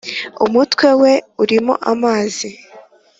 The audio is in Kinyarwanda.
umutwe we urimo amazi